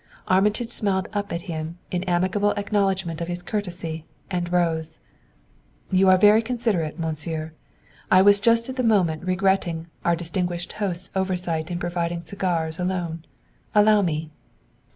Armitage smiled up at him in amiable acknowledgment of his courtesy, and rose. "You are very considerate, Monsieur. I was just at the moment regretting our distinguished host's oversight in providing cigars alone. Allow me!"